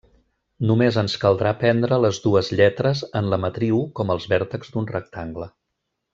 Només ens caldrà prendre les dues lletres en la matriu com els vèrtexs d'un rectangle.